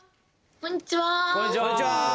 こんにちは！